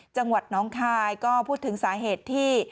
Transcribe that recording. จังหวัดน้องคายก็พูดถึงสาเหตุที่